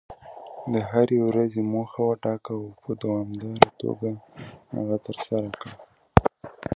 د هرې ورځې موخه وټاکه، او په دوامداره توګه هغه ترسره کړه.